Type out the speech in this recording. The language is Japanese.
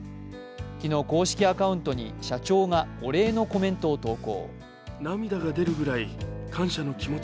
昨日、公式アカウントに社長がお礼のコメントを投稿。